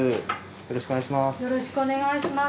よろしくお願いします。